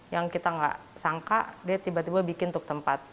yang kita gak sangka dia tiba tiba bikin untuk tempat